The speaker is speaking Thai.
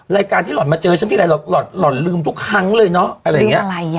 รายการที่หล่อนมาเจอฉันที่ไหนหล่อนลืมทุกครั้งเลยเนอะ